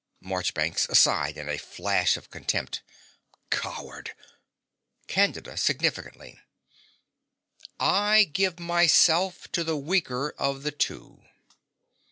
MARCHBANKS (aside, in a flash of contempt). Coward! CANDIDA (significantly). I give myself to the weaker of the two.